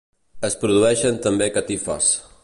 Es produeixen també catifes.